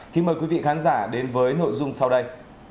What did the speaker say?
kính mời quý vị khán giả đến với nội dung sau đây